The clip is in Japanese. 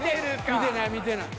見てない見てない。